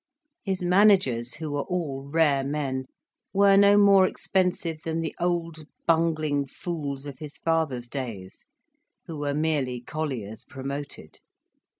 His managers, who were all rare men, were no more expensive than the old bungling fools of his father's days, who were merely colliers promoted.